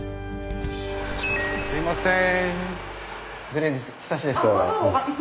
すいません。